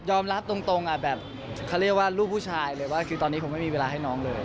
รับตรงแบบเขาเรียกว่าลูกผู้ชายเลยว่าคือตอนนี้คงไม่มีเวลาให้น้องเลย